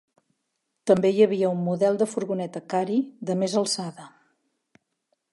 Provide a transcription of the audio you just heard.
També hi havia un model de furgoneta Kary de més alçada.